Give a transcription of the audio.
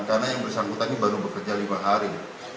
karena yang bersangkutan ini baru bekerja lima hari